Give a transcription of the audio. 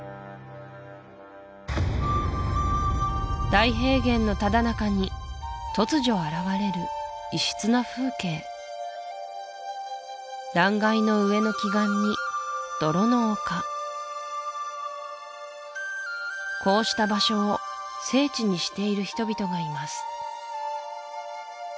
大平原のただ中に突如現れる異質な風景断崖の上の奇岩に泥の丘こうした場所を聖地にしている人々がいます